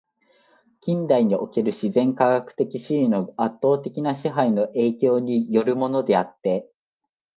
近代における自然科学的思惟の圧倒的な支配の影響に依るものであって、